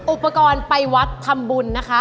อุปกรณ์ไปวัดทำบุญนะคะ